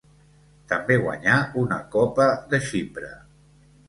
També guanyà una copa de Xipre.